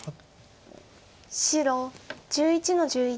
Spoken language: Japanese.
白１１の十一。